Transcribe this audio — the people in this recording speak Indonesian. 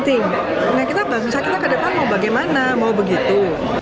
kita bangsa kita kedepan mau bagaimana mau begitu